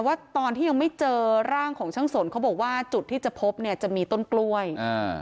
ว่าตอนที่ยังไม่เจอร่างของช่างสนเขาบอกว่าจุดที่จะพบเนี่ยจะมีต้นกล้วยอ่า